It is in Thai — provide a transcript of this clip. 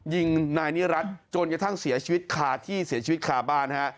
ยิงนายนิรัติจนกระทั่งเสียชีวิตคาที่เสียชีวิตคาบ้านฮะ